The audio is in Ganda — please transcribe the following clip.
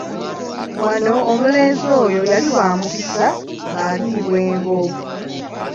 Wano omulenzi oyo yali wa mukisa ng'aliibwa engo.